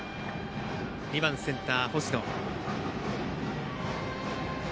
２番センター、星野。